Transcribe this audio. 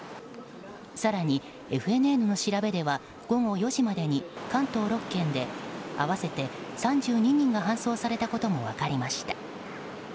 更に、ＦＮＮの調べでは午後４時までに関東６県で合わせて３２人が搬送されたことも分かりました。